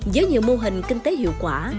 với nhiều mô hình kinh tế hiệu quả